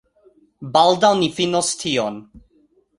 Baldaŭ ni finos tion